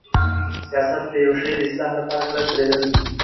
سیاست د یوشی د اصلاح لپاره کلک دریدل دی.